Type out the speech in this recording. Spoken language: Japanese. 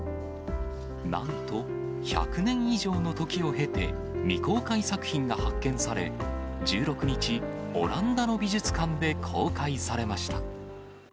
なんと、１００年以上の時を経て、未公開作品が発見され、１６日、オランダの美術館で公開されました。